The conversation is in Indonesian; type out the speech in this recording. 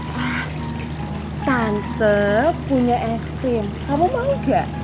wah tante punya es krim kamu mau gak